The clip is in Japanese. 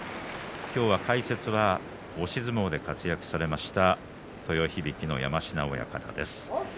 今日は解説は押し相撲で活躍されました豊響の山科親方です。